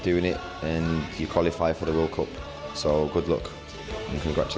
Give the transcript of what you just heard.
สงสัยเลยหวังว่าได้